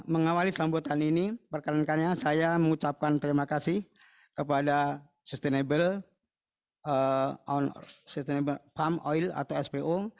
mengawali sambutan ini perkenankannya saya mengucapkan terima kasih kepada sustainable farm oil atau spo